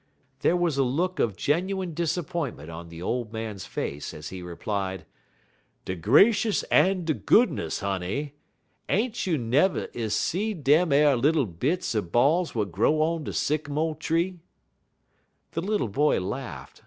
There was a look of genuine disappointment on the old man's face, as he replied: "De gracious en de goodness, honey! Ain't you nev' is see dem ar little bit er balls w'at grow on de sycamo' tree?" The little boy laughed.